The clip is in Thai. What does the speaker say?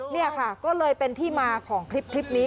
นี่ค่ะก็เลยเป็นที่มาของคลิปนี้